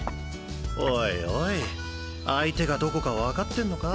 おいおい相手がどこかわかってんのか？